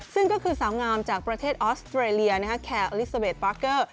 ซึ่งก็คือสาวงามจากประเทศออสเตรเลียแคร์อลิซาเวทปาร์เกอร์